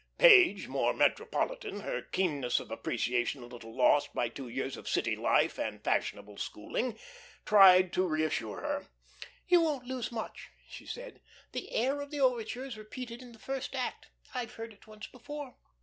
Page, more metropolitan, her keenness of appreciation a little lost by two years of city life and fashionable schooling, tried to reassure her. "You won't lose much," she said. "The air of the overture is repeated in the first act I've heard it once before."